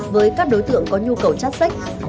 với các đối tượng có nhu cầu chát sách